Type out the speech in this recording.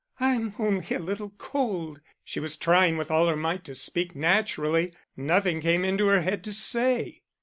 "I'm only a little cold." She was trying with all her might to speak naturally. Nothing came into her head to say.